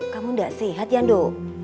kamu gak sehat ya ndu